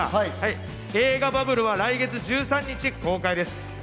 映画『バブル』は来月１３日公開です。